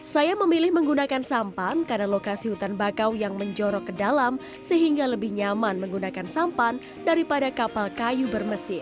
saya memilih menggunakan sampan karena lokasi hutan bakau yang menjorok ke dalam sehingga lebih nyaman menggunakan sampan daripada kapal kayu bermesin